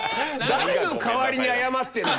誰の代わりに謝ってんの。